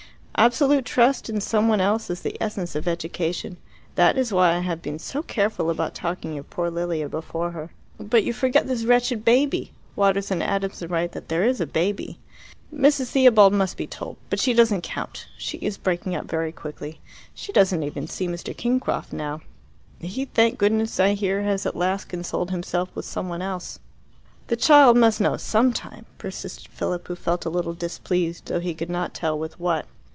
Absolute trust in some one else is the essence of education. That is why I have been so careful about talking of poor Lilia before her." "But you forget this wretched baby. Waters and Adamson write that there is a baby." "Mrs. Theobald must be told. But she doesn't count. She is breaking up very quickly. She doesn't even see Mr. Kingcroft now. He, thank goodness, I hear, has at last consoled himself with someone else." "The child must know some time," persisted Philip, who felt a little displeased, though he could not tell with what.